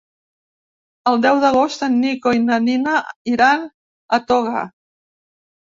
El deu d'agost en Nico i na Nina iran a Toga.